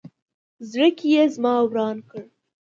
زړګې یې زما وران کړ